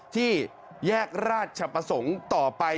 ที่แยกราชประสงค์ต่อไป